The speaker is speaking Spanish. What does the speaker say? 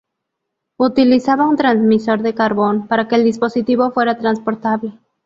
Utilizaba un transmisor de carbón, para que el dispositivo fuera transportable.